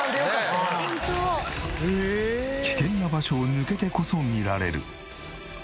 危険な場所を抜けてこそ見られる。